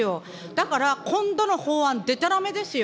だから、今度の法案、でたらめですよ。